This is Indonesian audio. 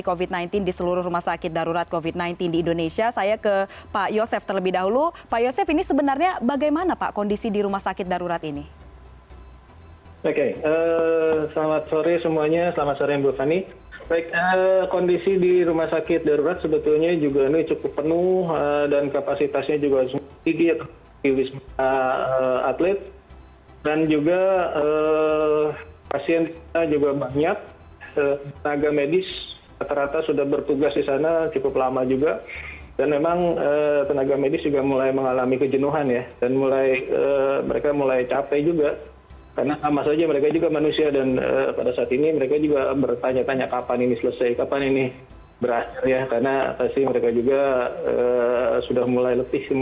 kita adalah atlet dan juga pasien kita juga banyak tenaga medis rata rata sudah bertugas di sana cukup lama juga dan memang tenaga medis juga mulai mengalami kejenuhan ya dan mereka mulai capek juga karena sama saja mereka juga manusia dan pada saat ini mereka juga bertanya tanya kapan ini selesai kapan ini berakhir ya karena pasti mereka juga sudah mulai letih